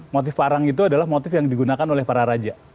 motif parang itu adalah motif yang digunakan oleh para raja